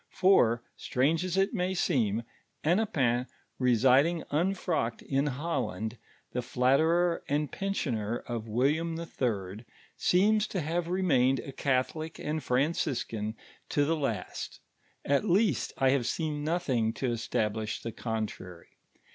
For, strange ns it may seem, Hennepin residing unfrocked in Holland, the flatterer and pen sioner of William IH., seems to have remained n Catholic and Franciscan to the Inst; ot least I have seen nothing to establish the contrary.